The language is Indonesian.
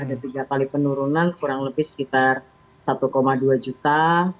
ada tiga kali penurunan kurang lebih sekitar satu dua juta